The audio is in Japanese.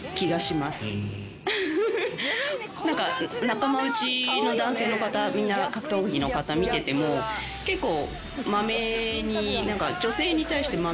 何か仲間内の男性の方みんな格闘技の方見てても結構。